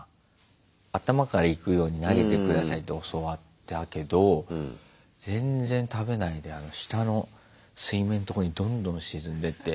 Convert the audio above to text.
頭からいくように投げて下さいって教わったけど全然食べないで下の水面のとこにどんどん沈んでって。